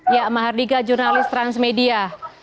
ya mahardika jurnalis transmedia